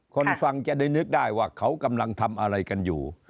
คนฟังจะได้นึกได้ว่าเขากำลังทำอะไรกันอยู่